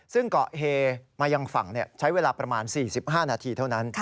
ซึ่งเกาะเฮมายังฝั่งใช้เวลาประมาณ๔๕นาทีเท่านั้น